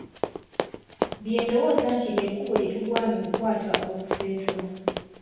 Bye ndowooza nti lye kkubo lye tugwana okukwata okuseetula.